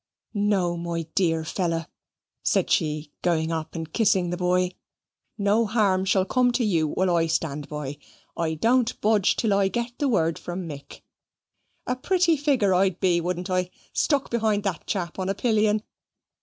"No, my dear fellow," said she, going up and kissing the boy. "No harm shall come to you while I stand by. I don't budge till I get the word from Mick. A pretty figure I'd be, wouldn't I, stuck behind that chap on a pillion?"